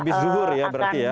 habis zuhur ya berarti ya